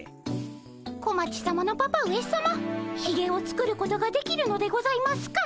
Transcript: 小町さまのパパ上さまひげを作ることができるのでございますか？